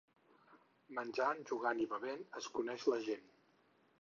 Menjant, jugant i bevent es coneix la gent.